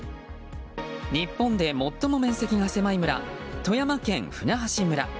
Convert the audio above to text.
日本で最も面積が狭い村富山県舟橋村。